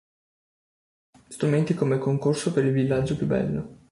Strumenti come „Concorso per il villaggio più bello“.